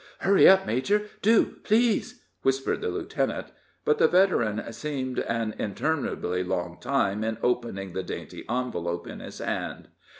"Hurry up, major do, please," whispered the lieutenant. But the veteran seemed an interminably long time in opening the dainty envelope in his hand.